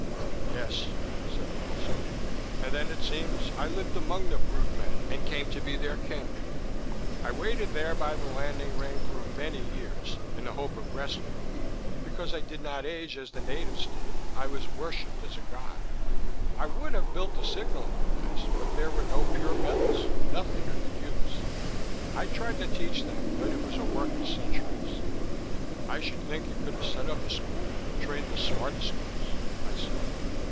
"Yes," said Foster. "And then, it seems, I lived among the brute men and came to be their king. I waited there by the landing ring through many years in the hope of rescue. Because I did not age as the natives did, I was worshipped as a god. I would have built a signalling device, but there were no pure metals, nothing I could use. I tried to teach them, but it was a work of centuries." "I should think you could have set up a school, trained the smartest ones," I said.